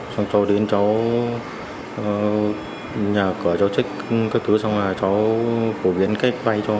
xong cháu đến cháu nhà cửa cháu trích các thứ xong là cháu phổ biến cách vay cho